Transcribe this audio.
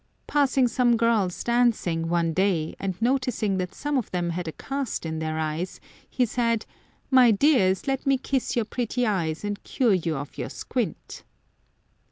Passing some girls dancing one day, and noticing that some of them had a cast in their eyes, he said, " My dears, let me kiss your pretty eyes and cure you of your squint."